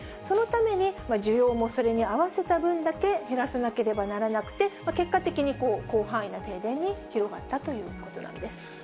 そのために需要もそれに合わせた分だけ減らさなければならなくて、結果的に、広範囲な停電に広がったということなんです。